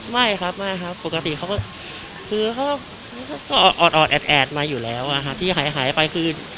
ไม่ครับไม่ครับปกติเขาก็คือเขาก็ออดแอดมาอยู่แล้วที่หายไปคือ